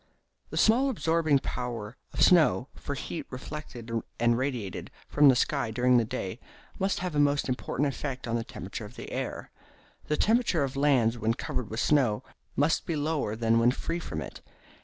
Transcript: This small absorbing power of snow for heat reflected and radiated from the sky during the day must have a most important effect on the temperature of the air. The temperature of lands when covered with snow must be much lower than when free from it.